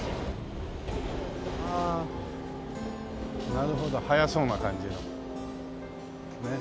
なるほど速そうな感じのねえ。